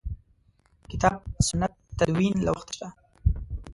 کتاب سنت تدوین له وخته شته.